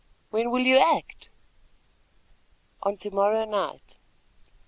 "When will you act?" "On to morrow night.